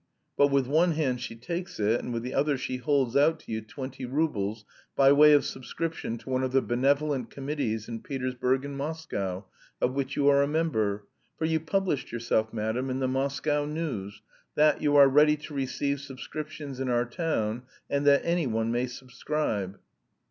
But with one hand she takes it, and with the other she holds out to you twenty roubles by way of subscription to one of the benevolent committees in Petersburg and Moscow, of which you are a member... for you published yourself, madam, in the Moscow News, that you are ready to receive subscriptions in our town, and that any one may subscribe...."